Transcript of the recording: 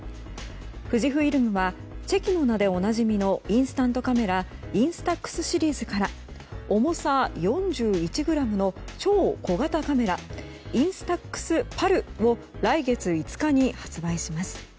富士フイルムはチェキの名でおなじみのインスタントカメラＩＮＳＴＡＸシリーズから重さ４１ｇの超小型カメラＩＮＳＴＡＸＰａｌを来月５日に発売します。